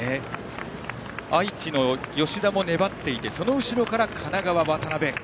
愛知の吉田も粘っていてその後ろから神奈川の渡邊。